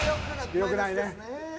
よくないね。